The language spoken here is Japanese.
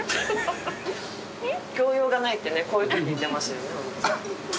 教養がないってねこういうときに出ますよね。